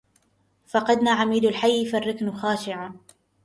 فقدنا عميد الحي فالركن خاشع